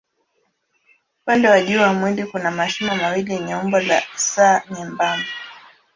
Upande wa juu wa mwili kuna mashimo mawili yenye umbo la S nyembamba.